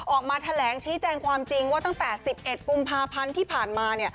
ออกมาแถลงชี้แจงความจริงว่าตั้งแต่๑๑กุมภาพันธ์ที่ผ่านมา